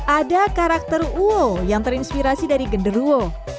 ada karakter uo yang terinspirasi dari genderuo